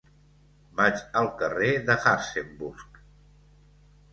Vaig al carrer de Hartzenbusch.